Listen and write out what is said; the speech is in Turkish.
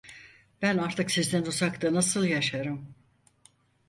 Ben artık sizden uzakta nasıl yaşarım?